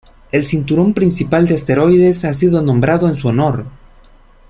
El cinturón principal de asteroides ha sido nombrado en su honor.